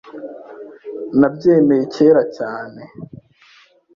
Nabyemeye kera cyane. .